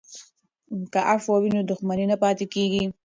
که عفوه وي نو دښمني نه پاتیږي.